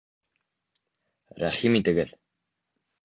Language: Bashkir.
Рәхим итегеҙ!